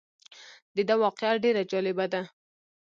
دده واقعه ډېره جالبه ده.